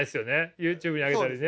ＹｏｕＴｕｂｅに上げたりね。